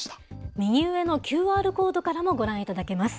右上のＱＲコードからもご覧いただけます。